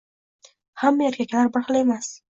Hamma erkaklar bir xil emas